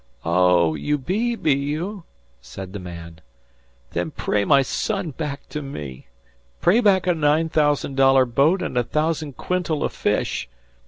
"Oh, you be, be you?" said the man. "Then pray my son back to me! Pray back a nine thousand dollar boat an' a thousand quintal of fish.